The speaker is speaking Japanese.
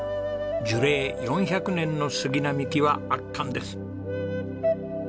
樹齢４００年の杉並木は圧巻です。